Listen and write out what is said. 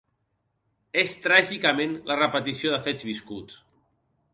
És tràgicament la repetició de fets viscuts.